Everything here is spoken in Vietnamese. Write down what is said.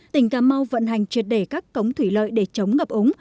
tỉnh cà mau vận hành triệt để các cống thủy lợi để chống ngập úng